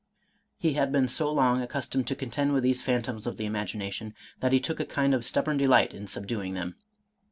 He had been so long accustomed to contend with these phantoms of the imagination, that he took a kind of stubborn delight in subduing them.